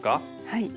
はい。